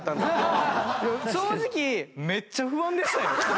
正直めっちゃ不安でしたよ。